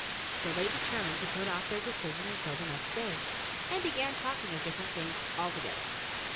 So they determined to put off their de cision until the next day and began talking of different things altogether.